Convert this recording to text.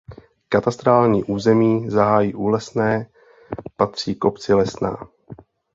Katastrální území "Zahájí u Lesné" patří k obci Lesná.